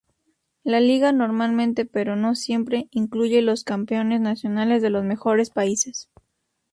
La liga normalmente, pero no siempre, incluye los campeones nacionales de los mejores países.